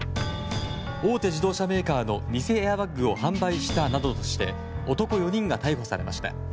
大手自動車メーカーの偽エアバッグを販売したなどとして男４人が逮捕されました。